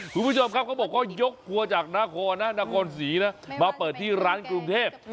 คุณผู้ชมครับเขาบอกว่ายกครัวจากนครนะนครศรีนะมาเปิดที่ร้านกรุงเทพ